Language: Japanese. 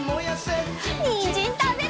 にんじんたべるよ！